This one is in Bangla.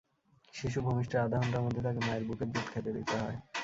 শিশু ভূমিষ্ঠের আধা ঘণ্টার মধ্যে তাকে মায়ের বুকের দুধ খেতে দিতে হয়।